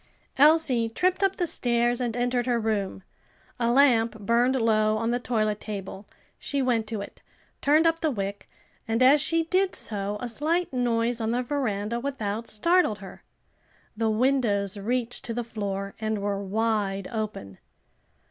Elsie tripped up the stairs and entered her room. A lamp burned low on the toilet table, she went to it, turned up the wick, and as she did so a slight noise on the veranda without startled her. The windows reached to the floor and were wide open.